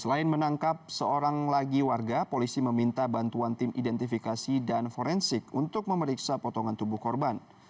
selain menangkap seorang lagi warga polisi meminta bantuan tim identifikasi dan forensik untuk memeriksa potongan tubuh korban